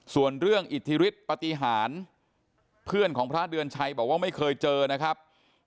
ส่วนเรื่องอิทธิฤทธิปฏิหารเพื่อนของพระเดือนชัยบอกว่าไม่เคยเจอนะครับ